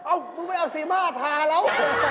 อ้าวมึงไปเอาเซมาถาแล้ว